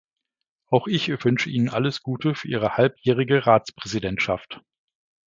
Auch ich wünsche Ihnen alles Gute für Ihre halbjährige Ratspräsidentschaft.